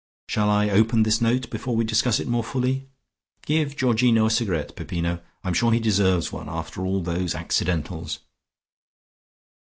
Shall I open this note before we discuss it more fully? Give Georgino a cigarette, Peppino! I am sure he deserves one, after all those accidentals."